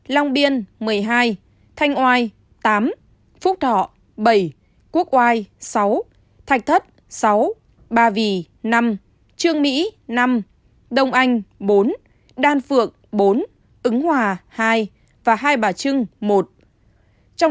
long biên một mươi hai thanh oai tám phúc thọ bảy quốc oai sáu thạch thất sáu ba vì năm trương mỹ năm đông anh bốn đan phượng bốn ứng hòa hai và hai bà trưng một